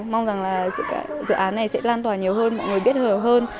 mong rằng dự án này sẽ lan tỏa nhiều hơn mọi người biết hợp hơn